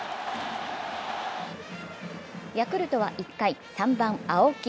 ヤクルトは１回、３番・青木。